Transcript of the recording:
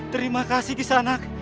terima kasih kisanak